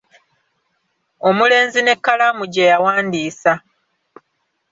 Omulenzi n'ekkalaamu gye yawandiisa.